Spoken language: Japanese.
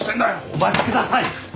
お待ちください！